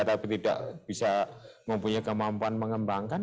tapi tidak bisa mempunyai kemampuan mengembangkan